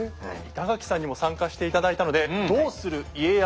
板垣さんにも参加して頂いたので「どうする家康」